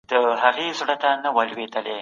شهاب الدین غوری د پښتنو اتل وو.